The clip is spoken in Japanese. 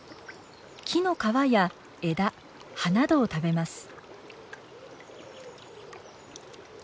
木の皮や枝葉などを食べます。